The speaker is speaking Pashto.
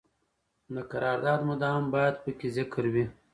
د قرارداد موده هم باید پکې ذکر وي.